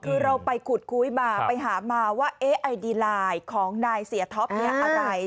คือเราไปขุดคุยมาไปหามาว่าเอ๊ะไอดีไลน์ของนายเสียท็อปเนี่ยอะไร